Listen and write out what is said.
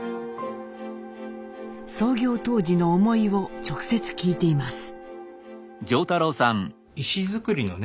創業当時の思いを直接聞いています。